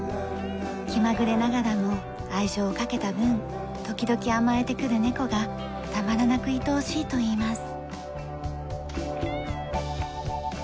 気まぐれながらも愛情をかけた分時々甘えてくる猫がたまらなくいとおしいといいます。